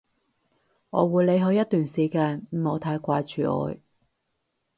我會離開一段時間，唔好太掛住我